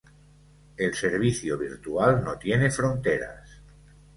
El servicio virtual no tiene fronteras.